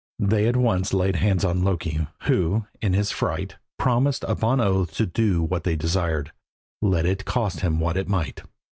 They at once laid hands on Loki, who, in his fright, promised upon oath to do what they desired, let it cost him what it might.